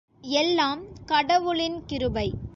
எல்லாம் கடவுளின் கிருபை.